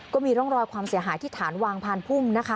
ก็มีร่องรอยความเสียหายที่ฐานวางพานพุ่มนะคะ